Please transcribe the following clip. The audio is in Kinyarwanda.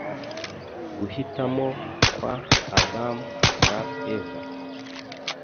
guhitamo kwa adam na ever